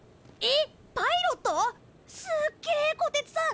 すっげえこてつさん！